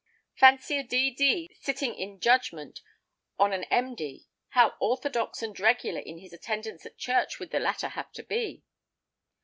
Fancy a D.D. sitting in judgment on an |9| M.D. How orthodox and regular in his attendance at church would the latter have to be!